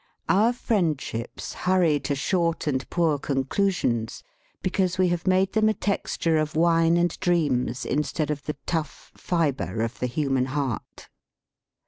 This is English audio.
" Our friendships hurry to short and poor conclusions because we have made them a texture of wine and dreams instead of the tough fibre of the human heart."